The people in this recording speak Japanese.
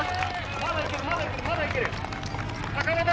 まだ行ける！